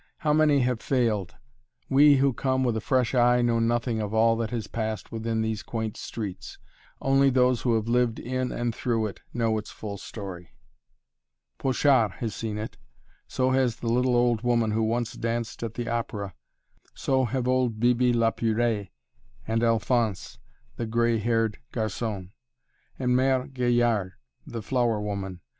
How many have failed! We who come with a fresh eye know nothing of all that has passed within these quaint streets only those who have lived in and through it know its full story. [Illustration: THE MUSÉE CLUNY] Pochard has seen it; so has the little old woman who once danced at the opera; so have old Bibi La Purée, and Alphonse, the gray haired garçon, and Mère Gaillard, the flower woman.